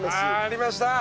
ありました。